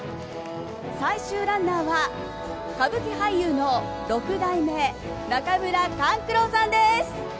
最終ランナーは、歌舞伎俳優の６代目中村勘九郎さんです。